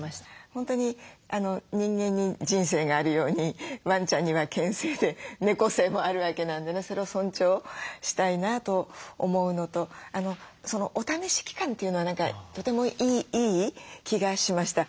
本当に人間に「人生」があるようにワンちゃんには「犬生」で「猫生」もあるわけなんでそれを尊重したいなと思うのとお試し期間というのは何かとてもいい気がしました。